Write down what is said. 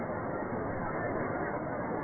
สวัสดีครับสวัสดีครับ